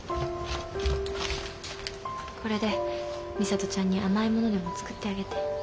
これで美里ちゃんに甘いものでも作ってあげて。